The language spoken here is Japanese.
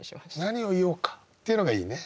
「何を言おうか」っていうのがいいね。